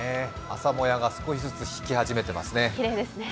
朝もやが少しずつ引き始めていますね。